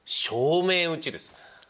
正面打ちですよ。